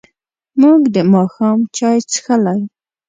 موږ د ماښام چای څښلی.